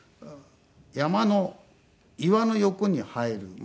山の岩の横に生えるま